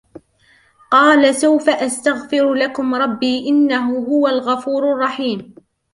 قال سوف أستغفر لكم ربي إنه هو الغفور الرحيم